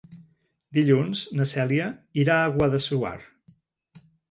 Dilluns na Cèlia irà a Guadassuar.